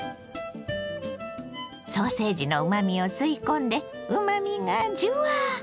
ソーセージのうまみを吸い込んでうまみがジュワッ！